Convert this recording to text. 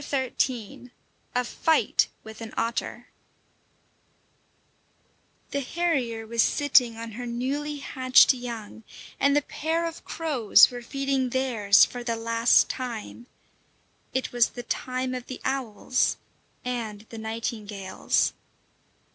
XIII: A FIGHT WITH AN OTTER The harrier was sitting on her newly hatched young, and the pair of crows were feeding theirs for the last time; it was the time of the owls and the nightingales.